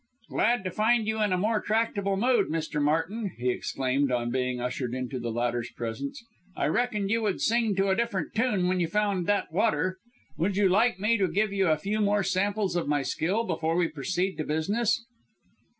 "Glad to find you in a more tractable mood, Mr. Martin," he exclaimed on being ushered into the latter's presence. "I reckoned you would sing to a different tune when you found that water. Would you like me to give you a few more samples of my skill, before we proceed to business?"